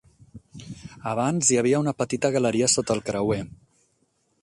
Abans hi havia una petita galeria sota el creuer.